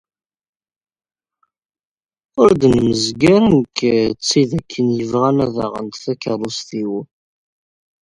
Ur d-nemzeg ara nekk d tid akken yebɣan ad aɣent takerrust-iw.